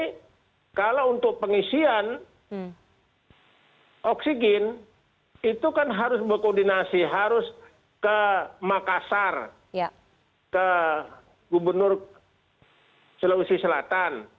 tapi kalau untuk pengisian oksigen itu kan harus berkoordinasi harus ke makassar ke gubernur sulawesi selatan